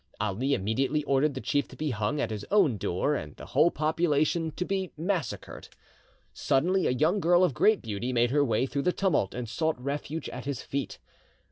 Ali immediately ordered the chief to be hung at his own door and the whole population to be massacred. Suddenly a young girl of great beauty made her way through the tumult and sought refuge at his feet.